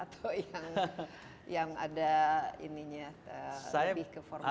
atau yang ada ini nya lebih ke formalnya